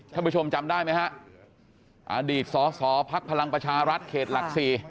ท่านผู้ชมจำได้ไหมฮะอดีตสอสอภักดิ์พลังประชารัฐเขตหลัก๔